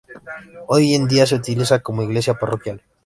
Hoy en día se utiliza como iglesia parroquial.